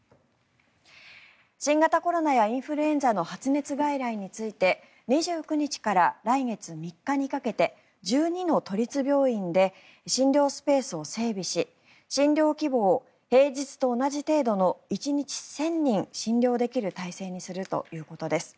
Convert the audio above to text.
新型コロナやインフルエンザの発熱外来について２９日から来月３日にかけて１２の都立病院で診療スペースを整備し診療規模を平日と同じ程度の１日１０００人診療できる体制にするということです。